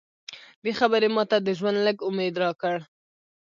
دې خبرې ماته د ژوند لږ امید راکړ